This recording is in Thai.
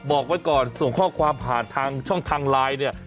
บอกไว้ก่อนส่งข้อความผ่านทางช่องทางไลน์เนี่ย